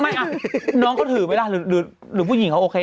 อ่ะน้องเขาถือไหมล่ะหรือผู้หญิงเขาโอเค